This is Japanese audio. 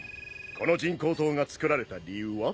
この人工島が造られた理由は？